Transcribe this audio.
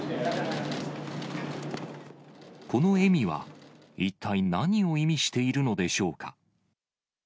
この笑みは、一体何を意味しているのでしょうか。